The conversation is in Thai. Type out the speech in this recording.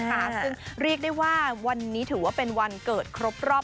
ซึ่งเรียกได้ว่าวันนี้ถือว่าเป็นวันเกิดครบรอบ